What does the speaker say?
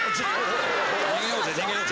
逃げようぜ逃げようぜ。